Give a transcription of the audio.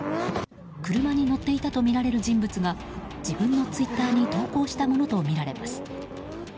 車に乗っていたとみられる人物が自分のツイッターに投稿したものとみられます。